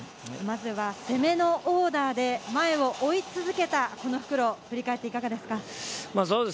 まずは攻めのオーダーで前を追い続けた復路を振り返っていかがですか？